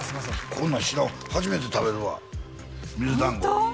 こんなん知らんわ初めて食べるわ水だんごホント？